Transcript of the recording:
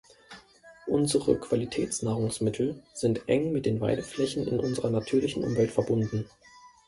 Unsere Qualitätsnahrungsmittel sind eng mit den Weideflächen in unserer natürlichen Umwelt verbunden.